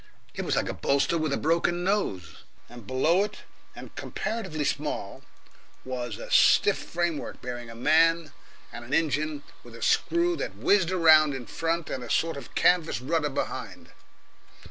It was like a bolster with a broken nose, and below it, and comparatively small, was a stiff framework bearing a man and an engine with a screw that whizzed round in front and a sort of canvas rudder behind.